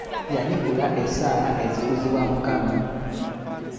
Yanukula essaala ezikusabibwa Mukama.